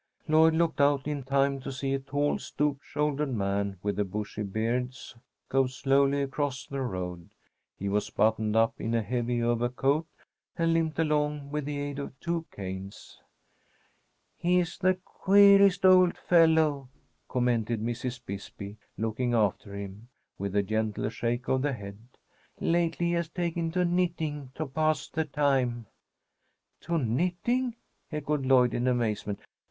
Lloyd looked out in time to see a tall, stoop shouldered man with a bushy beard go slowly across the road. He was buttoned up in a heavy overcoat, and limped along with the aid of two canes. "He's the queerest old fellow," commented Mrs. Bisbee, looking after him, with a gentle shake of the head. "Lately he has taken to knitting, to pass the time." "To knitting!" echoed Lloyd, in amazement.